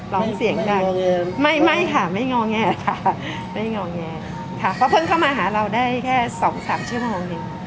ร้องเสียงดังไม่ไม่ค่ะไม่งอแงค่ะไม่งอแงค่ะก็เพิ่งเข้ามาหาเราได้แค่สองสามชั่วโมงหนึ่ง